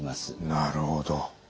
なるほど。